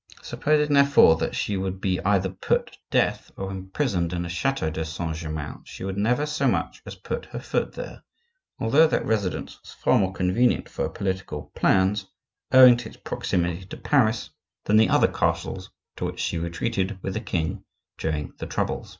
Supposing, therefore, that she would be either put to death or imprisoned in the chateau de Saint Germain, she would never so much as put her foot there, although that residence was far more convenient for her political plans, owing to its proximity to Paris, than the other castles to which she retreated with the king during the troubles.